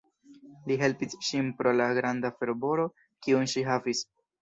Li helpis ŝin pro la granda fervoro kiun ŝi havis.